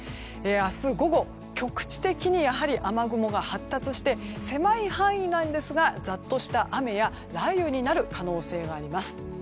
明日午後、局地的にやはり雨雲が発達して狭い範囲なんですがざっとした雨や雷雨になる可能性があります。